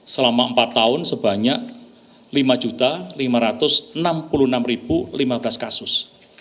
selama empat tahun sebanyak lima lima ratus enam puluh enam lima belas kasus